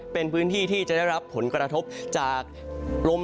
เป็นพื้นที่ที่จะได้รับผลกระทบจากลม